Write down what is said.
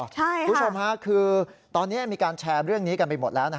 คุณผู้ชมค่ะคือตอนนี้มีการแชร์เรื่องนี้กันไปหมดแล้วนะ